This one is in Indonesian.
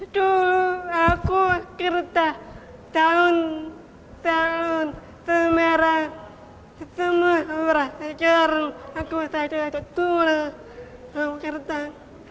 dulu aku kerja tahun tahun semerang